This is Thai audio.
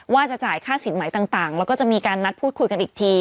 ว่าจะจ่ายค่าสินใหม่ต่างแล้วก็จะมีการนัดพูดคุยกันอีกที